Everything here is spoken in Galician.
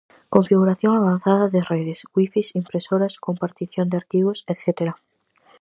Configuración avanzada de redes, wifis, impresoras, compartición de arquivos etcétera.